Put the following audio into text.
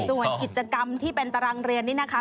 ส่วนกิจกรรมที่เป็นตารางเรียนนี่นะคะ